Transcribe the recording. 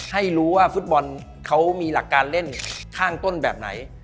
ให้รู้ว่าฟุตบอลเขามีหลักการเล่นข้างต้นแบบไหน